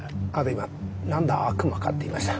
今「何だ悪魔か」って言いました？